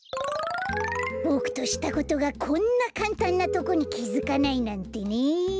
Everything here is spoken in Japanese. ボクとしたことがこんなかんたんなとこにきづかないなんてね！